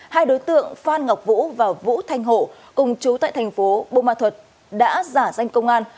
hai đối tượng phan ngọc vũ và vũ thanh hộ cùng chú tại thành phố bô ma thuật đã giả danh công an